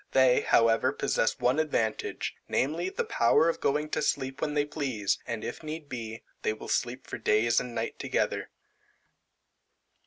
They, however, possess one advantage, namely, the power of going to sleep when they please, and, if need be, they will sleep for days and night together.